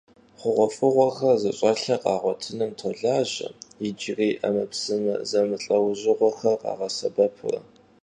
Xhuğuef'ığuexer zış'elhır khağuetınım tolaje, yicırêy 'emepsıme zemılh'eujığuexer khağesebepure.